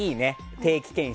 定期健診。